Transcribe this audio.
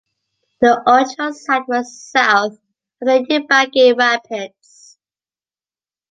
The original site was south of the Ubangi rapids.